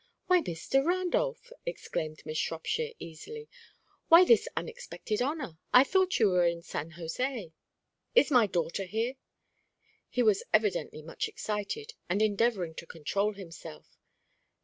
"Why, Mr. Randolph!" exclaimed Miss Shropshire, easily. "Why this unexpected honour? I thought you were in San José." "Is my daughter here?" He was evidently much excited, and endeavouring to control himself.